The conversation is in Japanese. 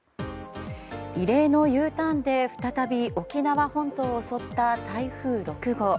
異例のＵターンで再び沖縄本島を襲った台風６号。